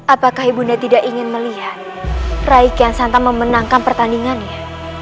apakah ibunda tidak ingin melihat raike yang santan memenangkan pertandingannya